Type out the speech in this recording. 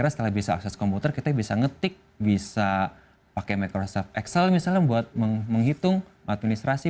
setelah bisa akses komputer kita bisa ngetik bisa pakai microsoft excel misalnya buat menghitung administrasi